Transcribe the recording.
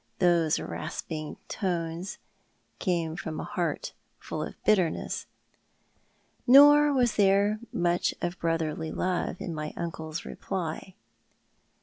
Those rasping tones came from a heart full of bitterness. Nor was there much of brotherly love in my uncle's reply.